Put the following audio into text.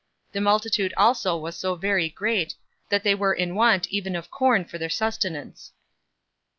The multitude also was so very great, that they were in want even of corn for their sustenance.